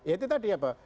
itu tadi apa